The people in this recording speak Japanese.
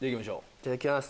いただきます。